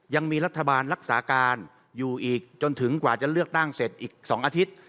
ยังมีรัฐบาลรักษาการอยู่อีกจนถึงกว่าจะเลือกตั้งเสร็จอีก๒อาทิตย์